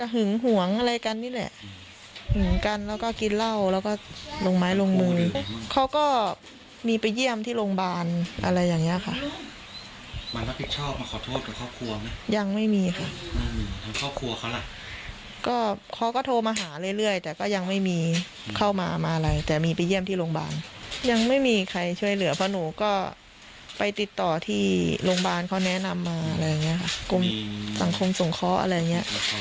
ไปติดต่อที่โรงพยาบาลเขาแนะนำมาสังคมส่งเคราะห์อะไรอย่างนี้